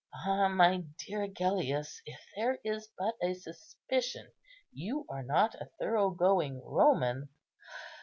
Ah, my dear Agellius, if there is but a suspicion you are not a thorough going Roman!